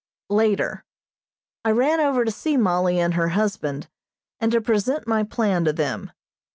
Later: I ran over to see Mollie and her husband, and to present my plan to them.